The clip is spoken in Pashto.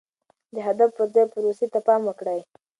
د هدف پر ځای پروسې ته پام وکړئ.